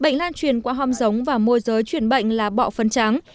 bệnh lan truyền qua hòm giống và môi giới chuyển bệnh là bọ phân trắng